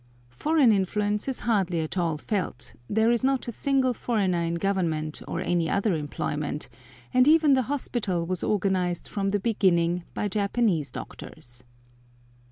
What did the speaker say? Foreign influence is hardly at all felt, there is not a single foreigner in Government or any other employment, and even the hospital was organised from the beginning by Japanese doctors.